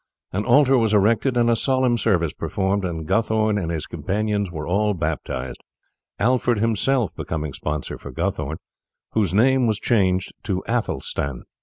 An altar was erected and a solemn service performed, and Guthorn and his companions were all baptized, Alfred himself becoming sponsor for Guthorn, whose name was changed to Athelstan.